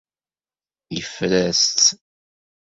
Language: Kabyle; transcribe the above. Yeffer-as-tt.